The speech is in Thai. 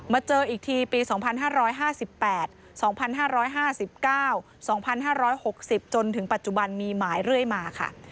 เจออีกทีปี๒๕๕๘๒๕๕๙๒๕๖๐จนถึงปัจจุบันมีหมายเรื่อยมาค่ะ